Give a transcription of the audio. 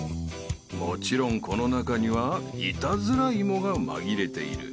［もちろんこの中にはイタズラ芋が紛れている］